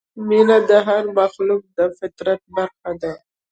مینه د هر مخلوق د فطرت برخه ده.